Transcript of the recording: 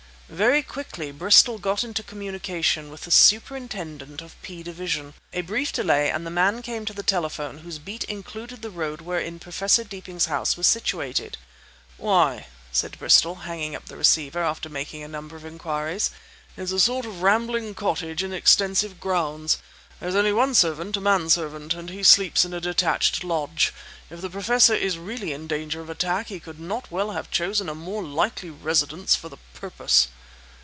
Very quickly Bristol got into communication with the superintendent of P Division. A brief delay, and the man came to the telephone whose beat included the road wherein Professor Deeping's house was situated. "Why!" said Bristol, hanging up the receiver after making a number of inquiries, "it's a sort of rambling cottage in extensive grounds. There's only one servant, a manservant, and he sleeps in a detached lodge. If the Professor is really in danger of attack he could not well have chosen a more likely residence for the purpose!"